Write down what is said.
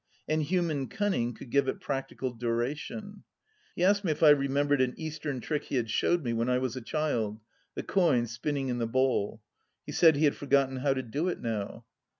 And human cunning could give it practical dura tion. ..." He asked me if I remembered an Eastern trick he had showed me when I was a child — the coin spinning in the bowl. He said he had forgotten how to do it now.